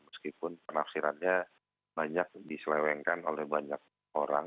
meskipun penafsirannya banyak diselewengkan oleh banyak orang